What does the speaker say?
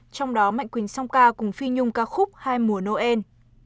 trong đó mạnh quỳnh song ca cùng phi nhung ca khúc hai mùa noel